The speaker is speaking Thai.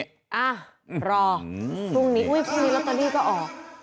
อ่ะรอพรุ่งนี้พรุ่งนี้ลอตเตอรี่ก็ออก